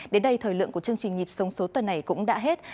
đến đây thời lượng của chương trình nhịp sống số tuần này cũng đã hết